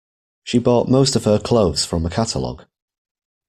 She bought most of her clothes from a catalogue